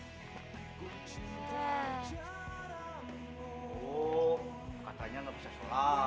oh katanya nafsu sholat tapi kenapa itu ngeduluin di sini ya